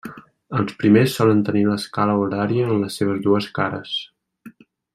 Els primers solen tenir l'escala horària en les seves dues cares.